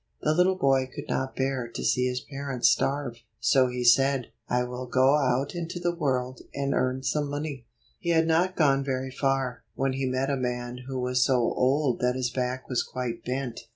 The little boy could not bear to see his parents starve, so he said, "I will go out into the world, and earn some money." He had not gone very far, when he met a man who was so old that his back was quite bent.